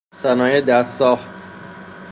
صنایع دست ساخت